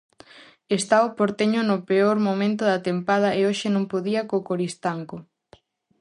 Está o Porteño no peor momento da tempada e hoxe non podía co Coristanco.